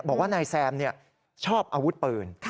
บอกว่านายแซมชอบอาวุธปืน